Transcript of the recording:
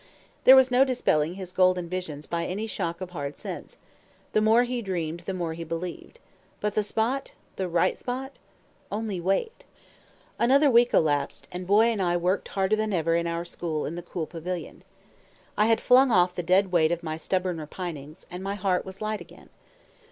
There was no dispelling his golden visions by any shock of hard sense; the more he dreamed the more he believed. But the spot? the right spot? "Only wait." Another week elapsed, and Boy and I worked harder than ever in our school in the cool pavilion. I had flung off the dead weight of my stubborn repinings, and my heart was light again.